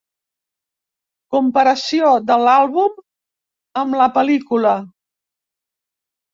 Comparació de l'àlbum amb la pel·lícula.